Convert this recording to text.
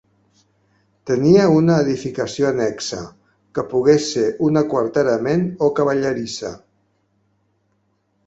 Tenia una edificació annexa, que pogués ser un aquarterament o cavallerissa.